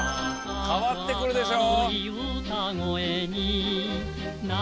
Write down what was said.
変わってくるでしょ。